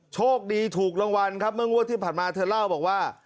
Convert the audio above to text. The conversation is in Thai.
โชคดีถูกรางวัลครับเมื่องวดที่ผ่านมาเธอเล่าบอกว่า